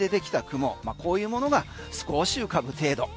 こういうものが少し浮かぶ程度。